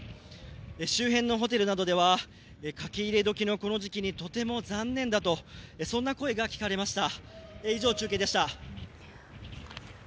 周辺のホテルなどでは書き入れ時のこの時期にとても残念だとそんな声が聞かれました。